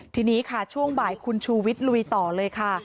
ทีนี้ค่ะช่วงบ่ายคุณชูวิทย์ลุยต่อเลยค่ะ